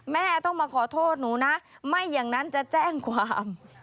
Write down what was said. แม่ต้องมาขอโทษหนูนะไม่อย่างนั้นจะแจ้งความ